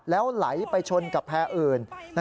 แล้วไหลไปชนกับแพร่อื่น